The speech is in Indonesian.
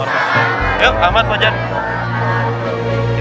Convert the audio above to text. yuk selamat fajar